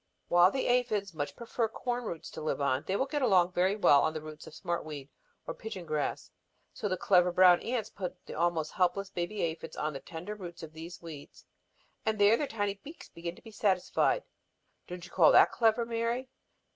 While the aphids much prefer corn roots to live on, they will get along very well on the roots of smart weed or pigeon grass. So the clever little brown ants put the almost helpless baby aphids on the tender roots of these weeds, and there their tiny beaks begin to be satisfied. Don't you call that clever, Mary?"